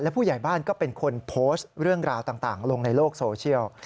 ผู้ใหญ่บ้านก็เป็นคนโพสต์เรื่องราวต่างลงในโลกโซเชียล